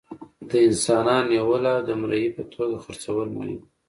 د انسانانو نیول او د مري په توګه خرڅول مهم وو.